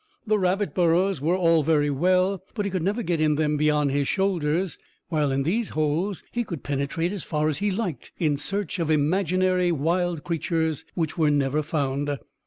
The rabbit burrows were all very well, but he could never get in them beyond his shoulders, while in these holes he could penetrate as far as he liked in search of imaginary wild creatures which were never found.